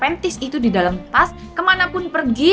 pentis itu di dalam tas kemanapun pergi